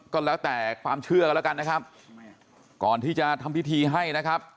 ก็แล้วแต่ความเชื่อกันแล้วกันนะครับก่อนที่จะทำพิธีให้นะครับ